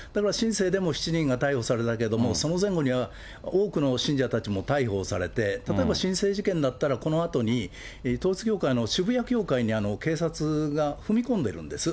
だから新世でも７人が逮捕されたけれども、その前後には多くの信者たちも逮捕されて、例えば新世事件だったら、このあとに、統一教会の渋谷教会に警察が踏み込んでるんです。